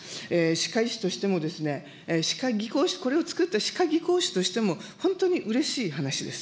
歯科医師としても、歯科技工士、これを作った歯科技工士としても、本当にうれしい話です。